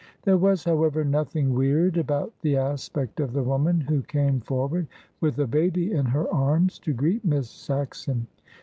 There was, however, nothing weird about the aspect of the woman who came forward, with a baby in her arms, to greet Miss Saxon.